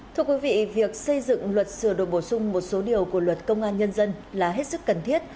thưa quý vị việc xây dựng luật sửa đổi bổ sung một số điều của luật công an nhân dân là hết sức cần thiết